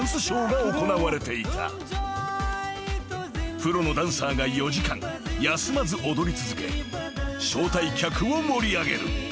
［プロのダンサーが４時間休まず踊り続け招待客を盛り上げる］